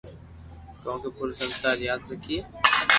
ڪو پورو سنسار ياد رکئي